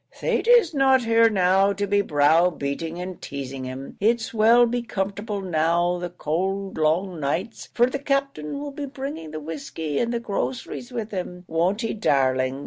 "Thady's not here now to be brow beating and teasing him; it's we'll be comfortable now the cowld long nights for the Captain 'll be bringing the whiskey and the groceries with him, won't he, darling?